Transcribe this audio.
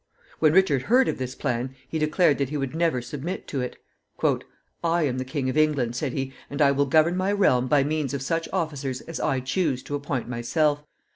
When Richard heard of this plan, he declared that he would never submit to it. "I am the King of England," said he, "and I will govern my realm by means of such officers as I choose to appoint myself.